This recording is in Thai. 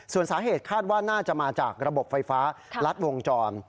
ส่วนสาเหตุคาดว่าน่าจะมาจากระบบไฟฟ้ารัดวงจร